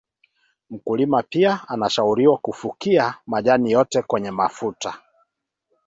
mkulima pia anashauriwa kufukia majani yote kwenye matuta